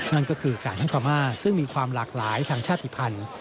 นั่นก็คือการให้พม่าซึ่งมีความหลากหลายทางชาติภัณฑ์